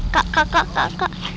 kak kak kak kak